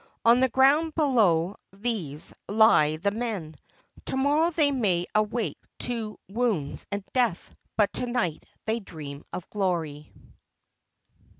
On the ground below these lie the men. To morrow they may awake to wounds and death, but to night they dream of glory.